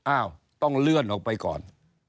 อ้าวต้องเลื่อนออกไปก่อน